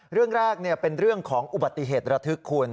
เรื่องแรกเป็นเรื่องของอุบัติเหตุระทึกคุณ